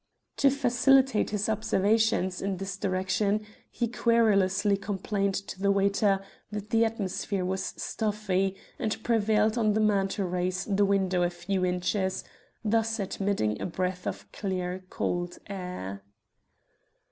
To facilitate his observations in this direction he querulously complained to the waiter that the atmosphere was stuffy, and prevailed on the man to raise the window a few inches, thus admitting a breath of clear cold air.